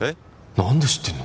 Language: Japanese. なんで知ってんの！？